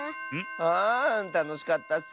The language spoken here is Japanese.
あたのしかったッス。